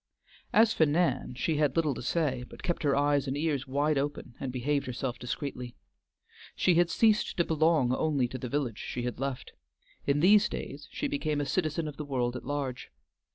As for Nan, she had little to say, but kept her eyes and ears wide open, and behaved herself discreetly. She had ceased to belong only to the village she had left; in these days she became a citizen of the world at large.